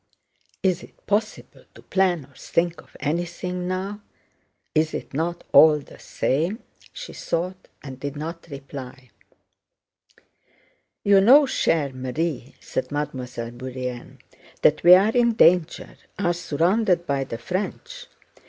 "Is it possible to plan or think of anything now? Is it not all the same?" she thought, and did not reply. "You know, chère Marie," said Mademoiselle Bourienne, "that we are in danger—are surrounded by the French.